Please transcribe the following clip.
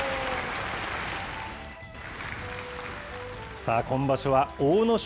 さあ、今場所は阿武咲